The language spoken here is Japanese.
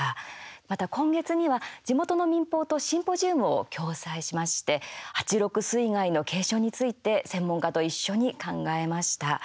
また今月には、地元の民放とシンポジウムを共催しまして８・６水害の継承について専門家と一緒に考えました。